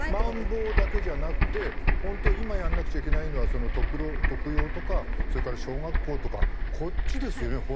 まん防だけじゃなくて本当は今やらなくちゃいけないのは特養とかそれから小学校とかこっちですよね？